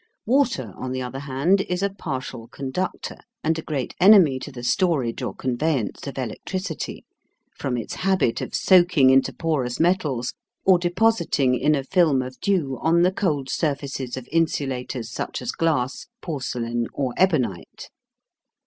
Water, on the other hand, is a partial conductor, and a great enemy to the storage or conveyance of electricity, from its habit of soaking into porous metals, or depositing in a film of dew on the cold surfaces of insulators such as glass, porcelain, or ebonite.